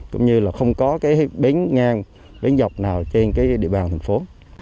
cũng như là không có cái bến ngang bến dọc nào trên cái địa bàn thành phố